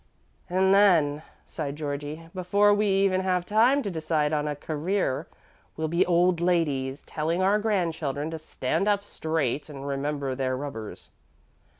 "And then," sighed Georgie, "before we even have time to decide on a career, we'll be old ladies, telling our grandchildren to stand up straight and remember their rubbers."